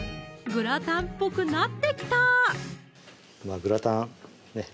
グラタンっぽくなってきたグラタンね